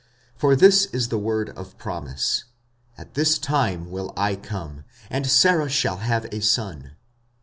45:009:009 For this is the word of promise, At this time will I come, and Sarah shall have a son.